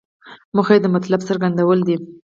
موخه یې د مطلب څرګندول دي.